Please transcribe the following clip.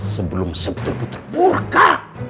sebelum sebetul betul burka